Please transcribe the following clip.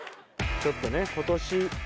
ちょっとね今年。